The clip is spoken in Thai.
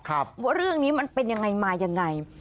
ว่าเรื่องนี้มันเป็นยังไงมายังไง